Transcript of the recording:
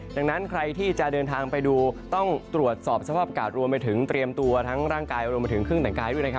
ดังนั้นใครที่จะเดินทางไปดูต้องตรวจสอบสภาพอากาศรวมไปถึงเตรียมตัวทั้งร่างกายรวมไปถึงเครื่องแต่งกายด้วยนะครับ